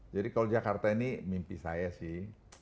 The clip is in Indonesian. jadi kalau jakarta ini mimpi saya sih